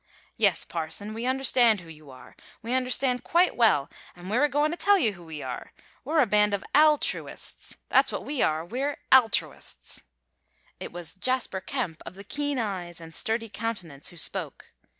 "Yes, parson, we understand who you are. We understand quite well, an' we're agoin' to tell you who we are. We're a band of al tru ists! That's what we are. We're altruists!" It was Jasper Kemp of the keen eyes and sturdy countenance who spoke.